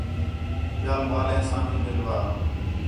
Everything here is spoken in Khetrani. ٻِیال ٻالیں ساں بھی مِلوا